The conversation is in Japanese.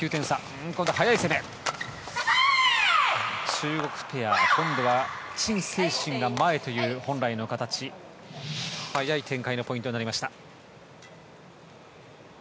中国ペア、今度はチン・セイシンが前という本来の形。早い展開のポイントになりました。